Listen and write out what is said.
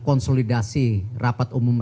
konsolidasi rapat umum